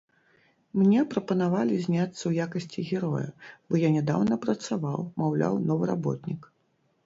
Мне прапанавалі зняцца ў якасці героя, бо я нядаўна працаваў, маўляў, новы работнік.